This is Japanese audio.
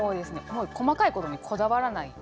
もう細かいことにこだわらない。